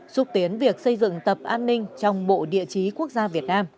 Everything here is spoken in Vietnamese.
xúc tiến việc xây dựng tập an ninh trong bộ địa chí quốc gia việt nam